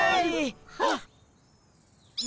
ハッ。